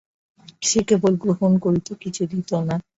সে কেবল গ্রহণ করিত, কিছু দিত না।